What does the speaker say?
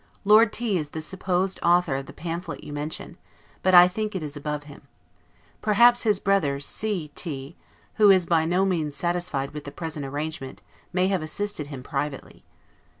Lord T is the supposed author of the pamphlet you mention; but I think it is above him. Perhaps his brother C T , who is by no means satisfied with the present arrangement, may have assisted him privately.